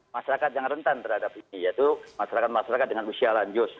masyarakat yang rentan terhadap ini yaitu masyarakat masyarakat dengan usia lanjut